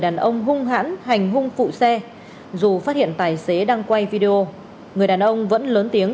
đàn ông hung hãn hành hung phụ xe dù phát hiện tài xế đang quay video người đàn ông vẫn lớn tiếng